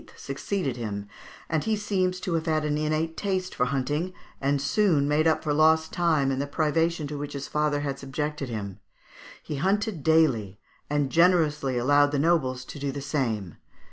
succeeded him, and he seems to have had an innate taste for hunting, and soon made up for lost time and the privation to which his father had subjected him. He hunted daily, and generously allowed the nobles to do the same.